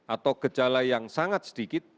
atau gejala yang sangat sedikit